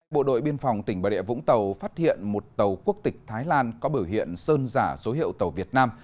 bộ đội biên phòng tỉnh bà địa vũng tàu phát hiện một tàu quốc tịch thái lan có biểu hiện sơn giả số hiệu tàu việt nam